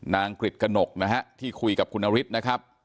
กริจกระหนกนะฮะที่คุยกับคุณนฤทธิ์นะครับ